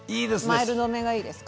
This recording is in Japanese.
マイルドめがいいですか？